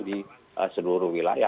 di seluruh wilayah